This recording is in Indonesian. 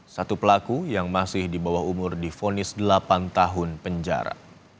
satu pelaku yang masih di bawah umur difonis delapan tahun penjara